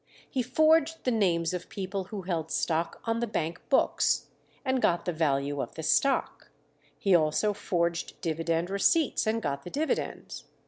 He forged the names of people who held stock on the Bank books, and got the value of the stock; he also forged dividend receipts and got the dividends.